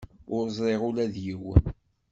Ur zṛiɣ ula d yiwen.